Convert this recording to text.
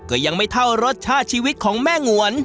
ก็ยังไม่เท่ารสชาติชีวิตของแม่งวน